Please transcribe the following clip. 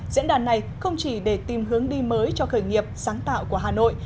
diễn đàn này không chỉ để tìm hướng đi mới cho khởi nghiệp sáng tạo của hà nội